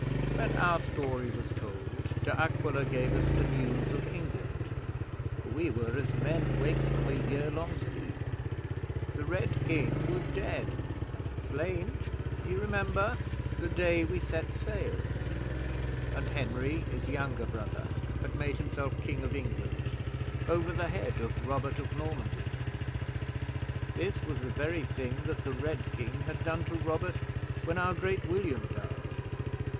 When our story was told, De Aquila gave us the news of England, for we were as men waked from a year long sleep. The Red King was dead slain (ye remember?) the day we set sail and Henry, his younger brother, had made himself King of England over the head of Robert of Normandy. This was the very thing that the Red King had done to Robert when our Great William died.